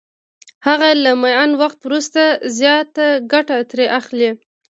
هغه له معین وخت وروسته زیاته ګټه ترې اخلي